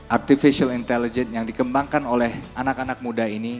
artificial intelligence yang dikembangkan oleh anak anak muda ini